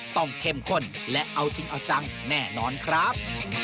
เข้มข้นและเอาจริงเอาจังแน่นอนครับ